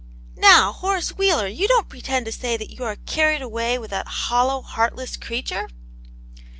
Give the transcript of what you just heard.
" Now, Horace Wheeler, you don't pretend to say that you are carried away with that hollow, heartless creature